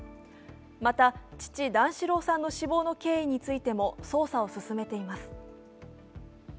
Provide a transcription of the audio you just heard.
また父・段四郎さんの死亡の経緯についても捜査を進めています。